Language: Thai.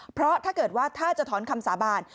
เพราะถ้าเกิดว่าถ้าจะถอนคำสาบาน